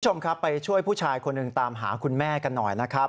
คุณผู้ชมครับไปช่วยผู้ชายคนหนึ่งตามหาคุณแม่กันหน่อยนะครับ